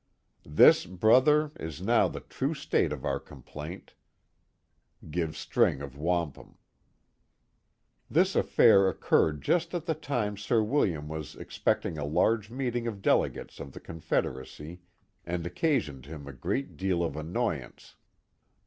This, Brother, is now the true state of our complaint. [Gives string of Wampum.] This affair occurred just at the time Sir William was ex pecting a large meeting of delegates of the Confederacy, and occasioned him a great deal of annoyance.